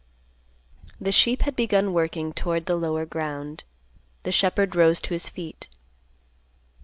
The sheep had begun working toward the lower ground. The shepherd rose to his feet.